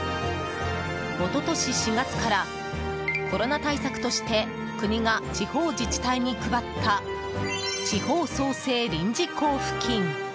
一昨年４月からコロナ対策として国が地方自治体に配った地方創生臨時交付金。